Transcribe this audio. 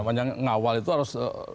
namanya ngawal itu harus